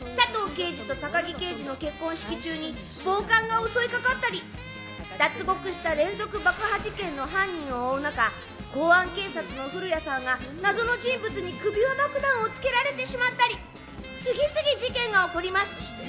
刑事と高木刑事の結婚式中に暴漢が襲いかかったり脱獄した連続爆破事件の犯人を追う中、公安警察の降谷さんが謎の人物に首輪爆弾をつけられてしまったり、次々事件が起こります。